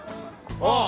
ああ！